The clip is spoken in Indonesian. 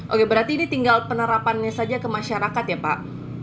oke berarti ini tinggal penerapannya saja ke masyarakat ya pak